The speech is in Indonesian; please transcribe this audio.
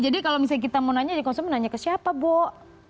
jadi kalau misalnya kita mau nanya konsumen nanya ke siapa bo